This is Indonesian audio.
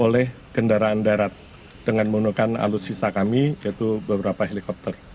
lalu sisa kami yaitu beberapa helikopter